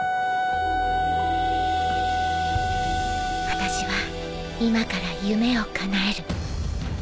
あたしは今から夢をかなえる